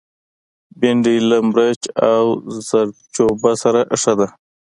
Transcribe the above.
بېنډۍ له مرچ او زردچوبه سره ښه ده